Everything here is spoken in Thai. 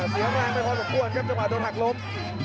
เสียงพลังไม่ความขวดจะมาโดนหักลม